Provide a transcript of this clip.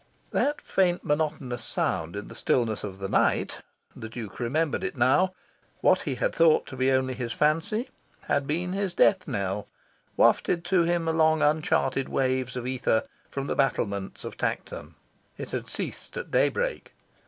That faint monotonous sound in the stillness of the night the Duke remembered it now. What he had thought to be only his fancy had been his death knell, wafted to him along uncharted waves of ether, from the battlements of Tankerton. It had ceased at daybreak.